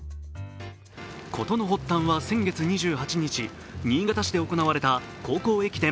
事の発端は先月２８日、新潟市で行われた高校駅伝